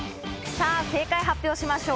さぁ、正解を発表しましょう。